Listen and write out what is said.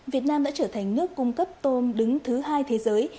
việt nam đã trở thành nước cung cấp tôm đứng thứ hai thế giới